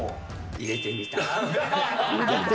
入れてみたって。